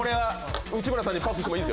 内村さんにパスしてもいいですよ。